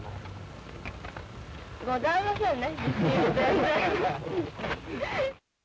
ございませんね、全然。